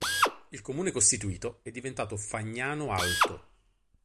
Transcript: Il comune costituito è diventato "Fagnano Alto".